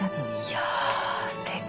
いやすてき。